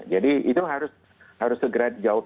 jadi itu harus segera dijawab